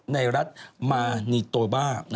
ในรัฐมานีโตบ้า